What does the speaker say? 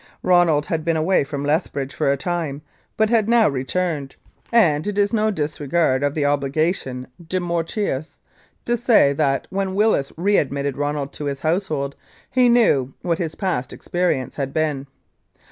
Ronald had been away from Leth bridge for a time, but had now returned, and it is no 266 Incidents of Mounted Police Life disregard of the obligation "De mortuis" to say that, when Willis readmitted Ronald to his household he knew what his past experience had been.